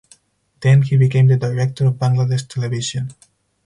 Then he became the director of Bangladesh Television.